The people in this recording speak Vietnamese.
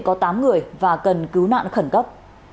có tám người và cần cứu nạn khẩn cấp